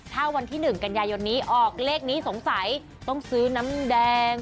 ถ้าวันที่๑กันยายนนี้ออกเลขนี้สงสัยต้องซื้อน้ำแดง